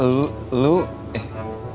lu lu eh